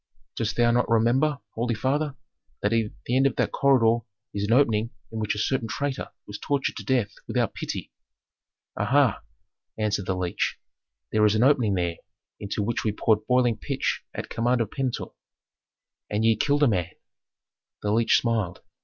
"Dost thou not remember, holy father, that at the end of that corridor is an opening in which a certain traitor was tortured to death without pity." "Aha!" answered the leech. "There is an opening there into which we poured boiling pitch at command of Pentuer." "And ye killed a man " The leech smiled.